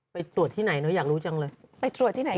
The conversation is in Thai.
ไปตรวจที่ไหนเนอะอยากรู้จังเลย